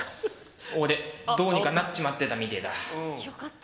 俺どうにかなっちまってたみてえだ。よかった。